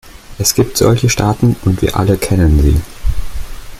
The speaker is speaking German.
Es gibt solche Staaten, und wir alle kennen sie.